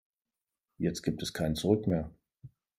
Jetzt gibt es kein Zurück mehr.